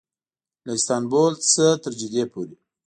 له استانبول نه تر جدې پورې.